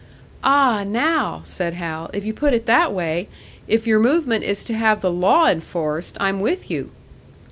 "Ah, now!" said Hal. "If you put it that way if your movement is to have the law enforced I'm with you!"